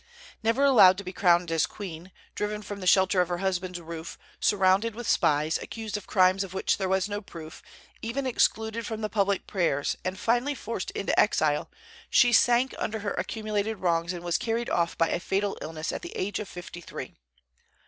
Never allowed to be crowned as queen, driven from the shelter of her husband's roof, surrounded with spies, accused of crimes of which there was no proof, even excluded from the public prayers, and finally forced into exile, she sank under her accumulated wrongs, and was carried off by a fatal illness at the age of fifty three.